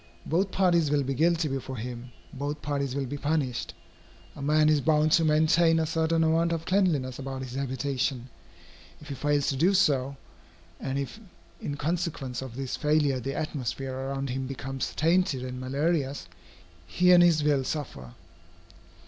Both parties will be guilty before him, both parties will be punished. A man is bound to maintain a certain amount of cleanliness about his habitation. If he fails to do so, and if in consequence of this failure the atmosphere around him becomes tainted and malarious, he and his will suffer.